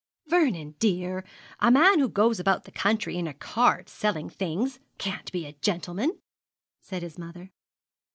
'Vernie dear, a man who goes about the country in a cart selling things can't be a gentleman!' said his mother.